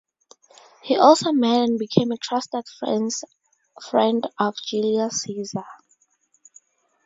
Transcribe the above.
He also met and became a trusted friend of Julius Caesar.